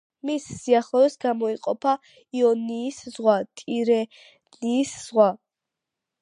მის სიახლოვეს გამოეყოფა იონიის ზღვა ტირენიის ზღვას.